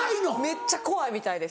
めっちゃ怖いみたいです。